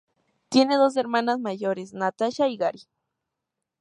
Tiene dos hermanos mayores, Natasha y Gary.